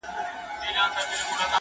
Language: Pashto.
نهار خوښ یم په ښکار نه ځم د چنګښو,